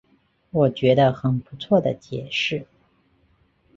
我觉得很不错的解释